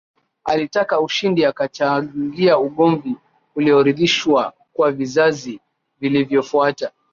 alitaka ushindi akachangia ugomvi uliorithishwa kwa vizazi vilivyofuata